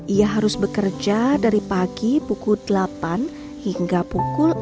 ia harus bekerja dari pagi pukul delapan hingga pukul empat belas